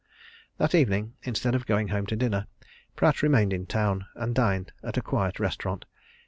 That evening, instead of going home to dinner, Pratt remained in town, and dined at a quiet restaurant.